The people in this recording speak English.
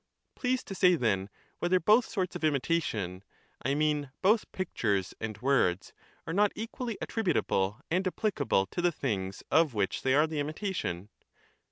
Please to say, then, whether both sorts of imitation (I mean both pictures and words) are not equally attributable and applicable to the things of which they are the imitation.